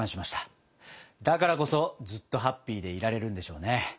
だからこそずっとハッピーでいられるんでしょうね。